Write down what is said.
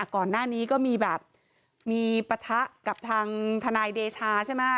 ก่อนหน้านี้ก็มีแบบมีปะทะกับทางทนายเดชาใช่ไหม